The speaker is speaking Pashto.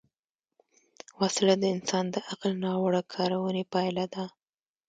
وسله د انسان د عقل ناوړه کارونې پایله ده